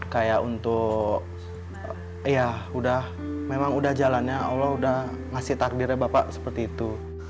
kayak untuk ya udah memang udah jalannya allah udah ngasih takdirnya bapak seperti itu